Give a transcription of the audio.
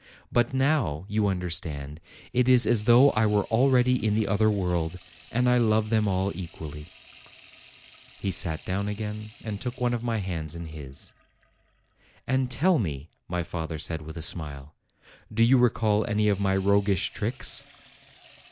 But now, you understand, it is as though I were al ready in the other world, and I love them all equally." He sat down again, and took one of my hands in his. "And tell me," my father said, with a smile, "do you recall any of my roguish tricks?'